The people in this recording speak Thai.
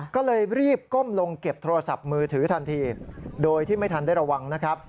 ก็เลยรีบก้มลงเก็บโทรศัพท์มือถือทันทีโดยที่ไม่ทันได้ระวังนะครับ